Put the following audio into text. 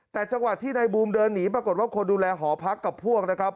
แต่จังหวะที่นายบูมเดินหนีปรากฏว่าคนดูแลหอพักกับพวกนะครับ